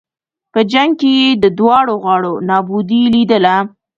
په جنګ کې یې د دواړو غاړو نابودي لېدله.